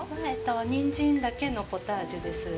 ニンジンだけのポタージュです。